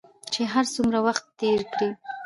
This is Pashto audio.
چې هر څومره وخت تېر کړې